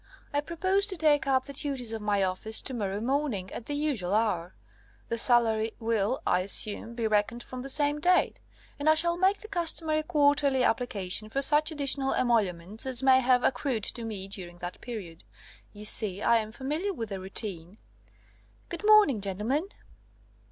I propose to take up the duties of my office to morrow morning, at the usual hour. The salary will, I assume, be reckoned from the same date; and I shall make the customary quarterly application for such additional emoluments as may have accrued to me during that period. You see I am familiar with the routine. Good morning, gentlemen!"